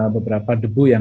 beberapa debu yang